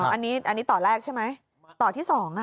อันนี้ต่อแรกใช่ไหมต่อที่๒